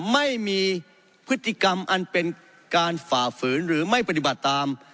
ไม่มีพฤติกรรมอันเป็นการฝ่าฝืนหรือไม่ปฏิบัติตาม